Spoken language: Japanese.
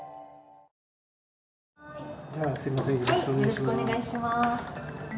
よろしくお願いします。